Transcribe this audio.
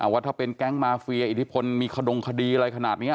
ว่าถ้าเป็นแก๊งมาเฟียอิทธิพลมีขดงคดีอะไรขนาดนี้